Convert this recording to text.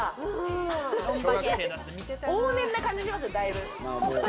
往年な感じしますよ、だいぶ。